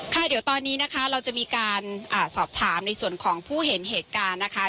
ค่ะเดี๋ยวตอนนี้นะคะเราจะมีการสอบถามในส่วนของผู้เห็นเหตุการณ์นะคะ